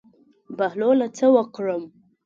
بهلوله څه وکړم.